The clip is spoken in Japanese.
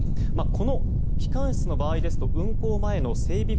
この機関室の場合ですと運航前の整備